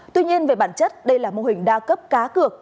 tuy nhiên về bản chất đây là mô hình đa cấp cá cược